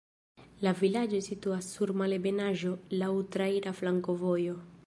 La vilaĝo situas sur malebenaĵo, laŭ traira flankovojo.